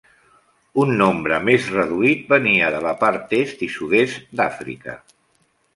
Un nombre més reduït venia de la part est i sud-est d'Àfrica.